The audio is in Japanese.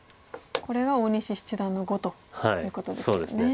これが大西七段の碁ということですね。